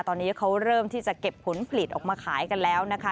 ตอนนี้เขาเริ่มที่จะเก็บผลผลิตออกมาขายกันแล้วนะคะ